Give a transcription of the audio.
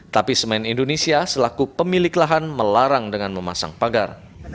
tapi semen indonesia selaku pemilik lahan melarang dengan memasang pagar